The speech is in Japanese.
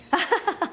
ハハハ！